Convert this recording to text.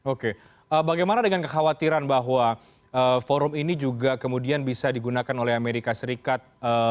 oke bagaimana dengan kekhawatiran bahwa forum ini juga kemudian bisa digunakan oleh amerika serikat